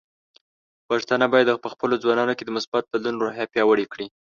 پښتانه بايد په خپلو ځوانانو کې د مثبت بدلون روحیه پیاوړې کړي.